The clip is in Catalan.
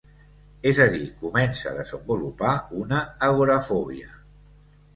És a dir, comença a desenvolupar una agorafòbia.